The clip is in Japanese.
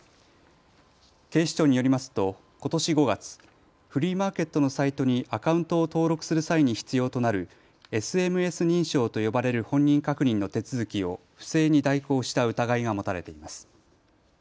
警視庁によりますとことし５月、フリーマーケットのサイトにアカウントを登録する際に必要となるＳＭＳ認証と呼ばれる本人確認の手続きを不正に代行した疑いが持たれています。